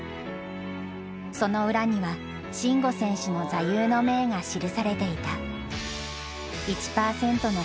その裏には慎吾選手の座右の銘が記されていた。